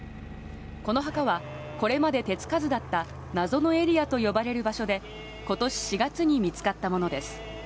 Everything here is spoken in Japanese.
この墓は、これまで手つかずだった謎のエリアと呼ばれる場所で、ことし４月に見つかったものです。